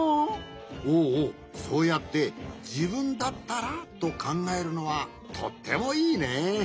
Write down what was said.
おおそうやって「じぶんだったら」とかんがえるのはとってもいいね。